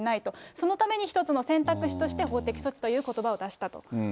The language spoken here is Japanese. そのために一つの選択肢として法的措置ということばを出したと。